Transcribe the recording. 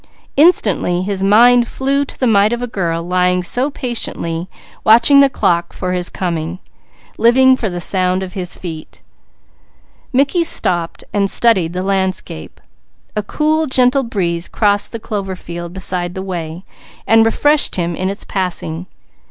Instantly his mind flew to the mite of a girl, lying so patiently, watching the clock for his coming, living for the sound of his feet. Mickey stopped, studying the landscape. A cool gentle breeze crossed the clover field beside the way, refreshing him in its passing.